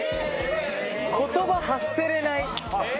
言葉発せれない。